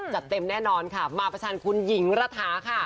จัดเต็มแน่นอนค่ะมาประชันคุณหญิงระถาค่ะ